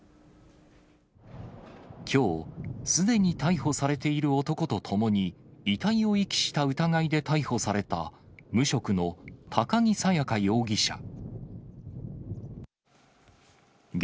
きょう、すでに逮捕されている男とともに、遺体を遺棄した疑いで逮捕された無職の高木沙耶花容疑者。